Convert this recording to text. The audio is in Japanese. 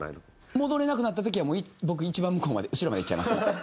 戻れなくなった時はもう僕一番向こうまで後ろまで行っちゃいます。